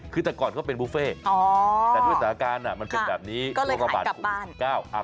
คือแต่ก่อนเขาเป็นบุฟเฟ่แต่ด้วยสถานการณ์อ่ะเป็นแบบนี้โรงการณ์ของบุษ๙อ๋อ